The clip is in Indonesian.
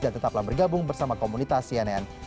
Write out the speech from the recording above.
tetaplah bergabung bersama komunitas cnn